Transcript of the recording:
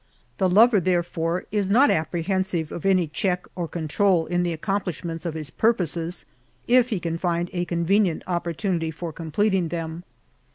The lover therefore is not apprehensive of any check or control in the accomplishments of his purposes, if he can find a convenient opportunity for completing them.